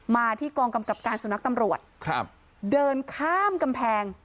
มาที่กองกำกับการสุนัขตำรวจครับเดินข้ามกำแพง